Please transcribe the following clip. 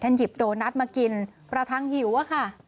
หยิบโดนัทมากินประทังหิวอะค่ะ